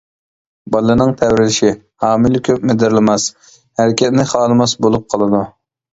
بالىنىڭ تەۋرىشى: ھامىلە كۆپ مىدىرلىماس، ھەرىكەتنى خالىماس بولۇپ قالىدۇ.